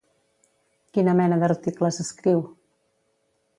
Quina mena d'articles escriu?